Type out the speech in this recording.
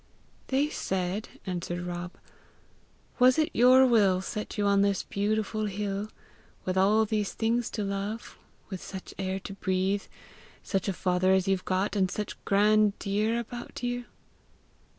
"They said," answered Rob, " 'Was it your will set you on this beautiful hill, with all these things to love, with such air to breathe, such a father as you've got, and such grand deer about you?'